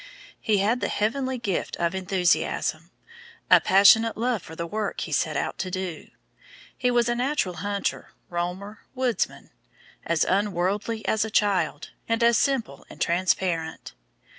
He had the heavenly gift of enthusiasm a passionate love for the work he set out to do. He was a natural hunter, roamer, woodsman; as unworldly as a child, and as simple and transparent.